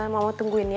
mama tungguin ya